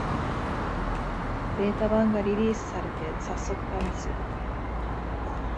ベータ版がリリースされて、さっそくためす